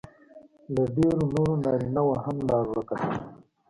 له ډېرو نورو نارینهو هم لار ورکه ده